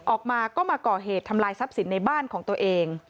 ออกมาก็มาก่อเหตุทำลายทรัพย์สินในบ้านของตัวเอง